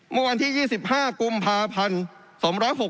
เมื่อวันที่๒๕กุมภาพันธ์๒๖๖